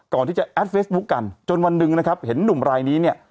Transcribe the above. แอดเฟซบุ๊คกันจนวันหนึ่งนะครับเห็นหนุ่มรายนี้เนี่ย